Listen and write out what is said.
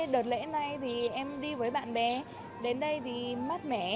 đợt lễ này thì em đi với bạn bè đến đây thì mát mẻ